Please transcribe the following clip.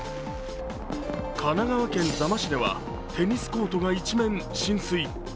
神奈川県座間市ではテニスコートが一面浸水。